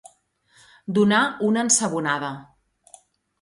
Donar una ensabonada.